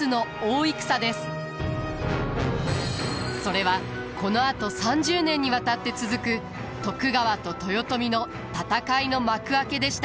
それはこのあと３０年にわたって続く徳川と豊臣の戦いの幕開けでした。